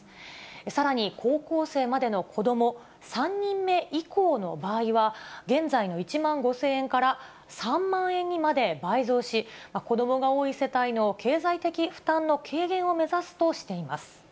さらに高校生までの子ども３人目以降の場合は、現在の１万５０００円から３万円にまで倍増し、子どもが多い世帯の経済的負担の軽減を目指すとしています。